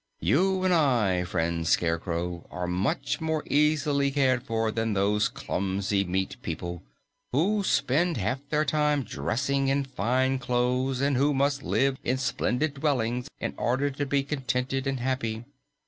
"You and I, friend Scarecrow, are much more easily cared for than those clumsy meat people, who spend half their time dressing in fine clothes and who must live in splendid dwellings in order to be contented and happy.